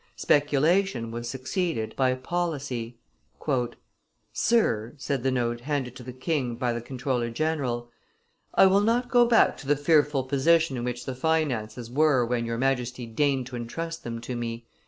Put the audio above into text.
Speculation was succeeded by policy. "Sir," said the note handed to the king by the comptroller general, "I will not go back to the fearful position in which the finances were when your Majesty deigned to intrust them to me.